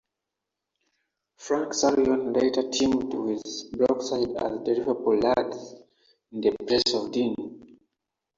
Frankie Sloan later teamed with Brookside as The Liverpool Lads in place of Dean.